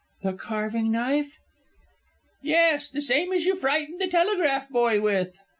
"The carving knife?" "Yes, the same as you frightened the telegraph boy with?"